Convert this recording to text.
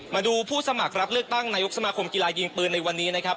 มาดูผู้สมัครรับเลือกตั้งนายกสมาคมกีฬายิงปืนในวันนี้นะครับ